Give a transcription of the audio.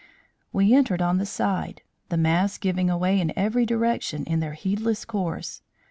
We entered on the side, the mass giving away in every direction in their heedless course.